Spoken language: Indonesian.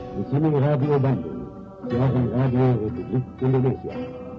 di sini radio bandung selagi radio republik indonesia